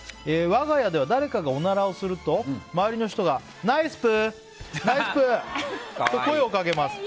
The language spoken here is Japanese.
我が家では誰かがおならをすると周りの人がナイスプー！、ナイスプー！と声をかけます。